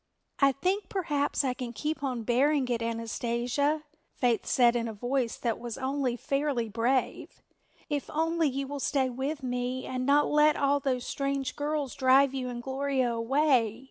"I think perhaps I can keep on bearing it, Anastasia," Faith said in a voice that was only fairly brave, "if only you will stay with me and not let all those strange girls drive you and Gloria away.